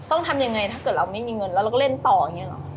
ต้องทำยังไงถ้าเกิดเราไม่มีเงินแล้วเราก็เล่นต่ออย่างนี้หรอ